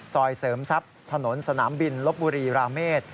เสริมทรัพย์ถนนสนามบินลบบุรีราเมษ